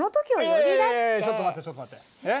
いやいやいやちょっと待ってちょっと待って。